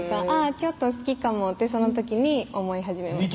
ちょっと好きかもってその時に思い始めました